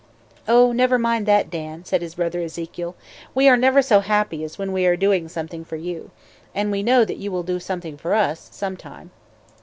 "Oh, never mind that, Dan," said his brother Ezekiel. "We are never so happy as when we are doing something for you. And we know that you will do something for us, some time."